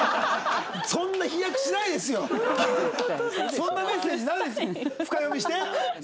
そんなメッセージない深読みして？